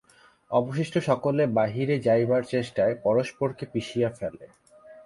অবশিষ্ট সকলে বাহিরে যাইবার চেষ্টায় পরস্পরকে পিষিয়া ফেলে।